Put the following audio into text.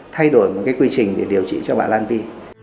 thay đổi một quy trình để điều trị cho bà lan vy